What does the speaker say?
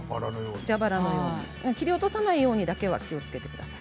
切り落とさないようにだけは気をつけてください。